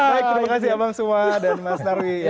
baik terima kasih abang semua dan mas narwi